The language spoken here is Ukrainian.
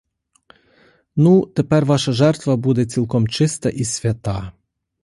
Ну, тепер ваша жертва буде цілком чиста і свята.